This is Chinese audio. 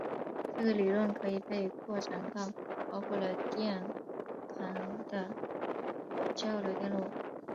这个理论可以被扩展到包括了电抗的交流电路。